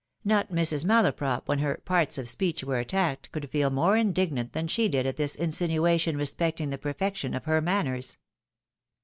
Not Mrs. Malaprop when her " parts of speech " were attacked, could feel more indignant than she did at this insinuation respecting the perfection of her manners.